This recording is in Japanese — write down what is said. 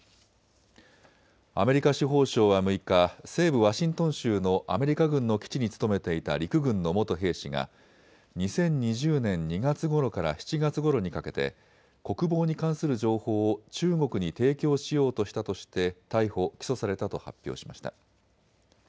アメリカ司法省は６日、西部ワシントン州のアメリカ軍の基地に勤めていた陸軍の元兵士が２０２０年２月ごろから７月ごろにかけて国防に関する情報を中国に提供しようとしたとして逮捕・起訴されたと発表しました。